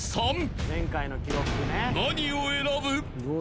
［何を選ぶ？］